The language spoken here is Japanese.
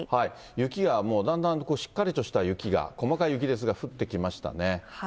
雪はもうだんだんしっかりとした雪が、細かい雪ですが、降ってきましたね。